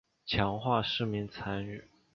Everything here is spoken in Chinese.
强化市民参与